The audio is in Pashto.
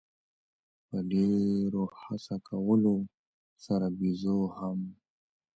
په ډېره هڅه کولو سره بېزو هم.